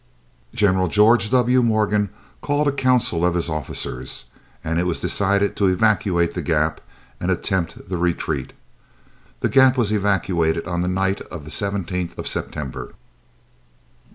General George W. Morgan called a council of his officers, and it was decided to evacuate the Gap and attempt the retreat. The Gap was evacuated on the night of the 17th of September.